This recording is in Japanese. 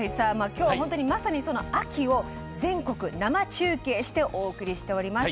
今日、まさにその秋を全国、生中継してお送りしています。